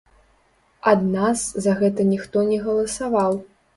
Ад нас за гэта ніхто не галасаваў.